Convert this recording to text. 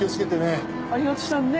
ありがとさんね。